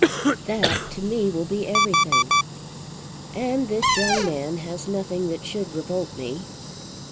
"That to me will be everything." "And this young man has nothing that should revolt me.